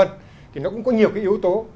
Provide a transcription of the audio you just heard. thì nó cũng có nhiều yếu tố